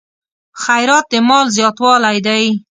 خیرات د مال زیاتوالی دی.